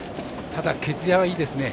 ただ、毛づやはいいですね。